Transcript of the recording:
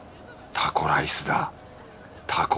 タコライスだ。